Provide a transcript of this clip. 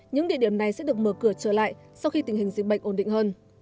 những địa điểm này sẽ được mở cửa trở lại sau khi tình hình dịch bệnh ổn định hơn